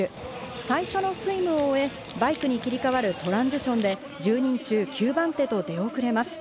最初のスイムを終え、バイクに切り替わるトランジションで、１０人中９番手と出遅れます。